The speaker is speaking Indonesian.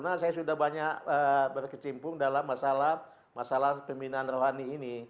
karena saya sudah banyak berkecimpung dalam masalah pembinaan rohani ini